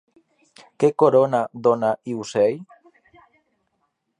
Què corona Dona i ocell?